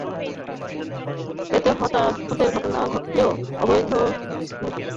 এতে হতাহতের ঘটনা ঘটলেও অবৈধ এসব স্থাপনা উচ্ছেদে কারও কোনো উদ্যোগ নেই।